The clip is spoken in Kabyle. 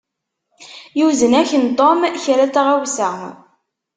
Yuzen-ak-n Tom kra n tɣawsa.